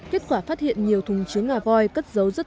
kết quả phát hiện nhiều thùng chứa ngà voi cất dấu rất